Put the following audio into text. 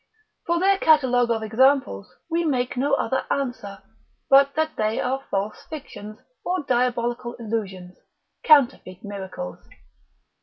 For their catalogue of examples, we make no other answer, but that they are false fictions, or diabolical illusions, counterfeit miracles.